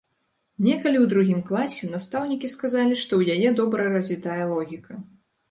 Некалі ў другім класе настаўнікі сказалі, што ў яе добра развітая логіка.